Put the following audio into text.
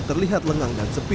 terlihat lengang dan sepi